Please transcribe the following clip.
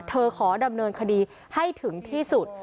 ขอดำเนินคดีให้ถึงที่สุด